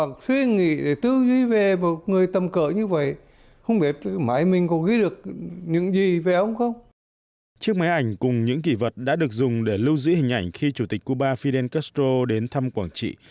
chiếc máy ảnh cùng những kỷ vật đã được dùng để lưu giữ hình ảnh khi chủ tịch cuba fidel castro đến thăm quảng trị